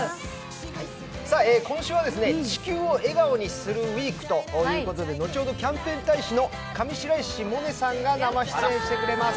今週は「地球を笑顔にするＷＥＥＫ」ということで後ほど、キャンペーン大使の上白石萌音さんが生出演してくれます。